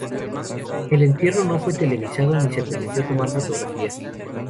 El entierro no fue televisado ni se permitió tomar fotografías.